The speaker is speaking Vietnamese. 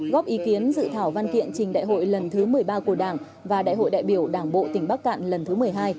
góp ý kiến dự thảo văn kiện trình đại hội lần thứ một mươi ba của đảng và đại hội đại biểu đảng bộ tỉnh bắc cạn lần thứ một mươi hai